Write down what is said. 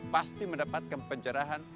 pasti mendapatkan pencerahan